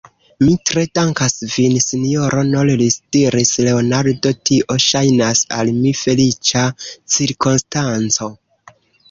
Mi tre dankas vin, sinjoro Norris, diris Leonardo; tio ŝajnas al mi feliĉa cirkonstanco.